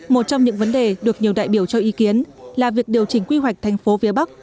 một trong những vấn đề được nhiều đại biểu cho ý kiến là việc điều chỉnh quy hoạch tp vía bắc